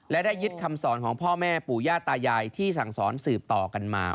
และได้ยึดคำสอนของพ่อแม่ปู่ย่าตายายที่สั่งสอนสืบต่อกันมา